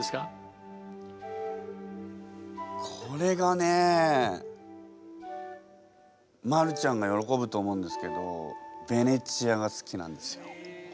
これがねマルちゃんが喜ぶと思うんですけどベネチアが好きなんですよ。